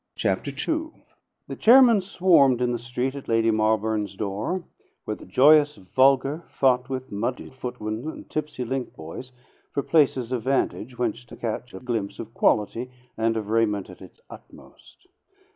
Chapter Two The chairmen swarmed in the street at Lady Malbourne's door, where the joyous vulgar fought with muddied footmen and tipsy link boys for places of vantage whence to catch a glimpse of quality and of raiment at its utmost.